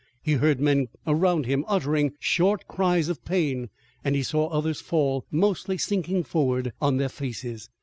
He heard men around him uttering short cries of pain, and he saw others fall, mostly sinking forward on their faces.